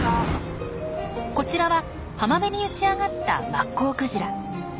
こちらは浜辺に打ち上がったマッコウクジラ。